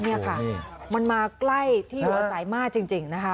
นี่ค่ะมันมาใกล้ที่อยู่อาศัยมากจริงนะคะ